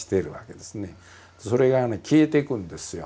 それがね消えていくんですよ